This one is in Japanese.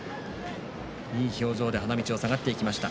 いい表情で花道を下がってきました。